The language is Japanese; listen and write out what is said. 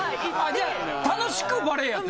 じゃあ楽しくバレーやってたん。